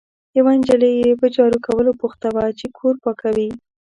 یوه نجلۍ یې په جارو کولو بوخته وه، چې کور پاکوي.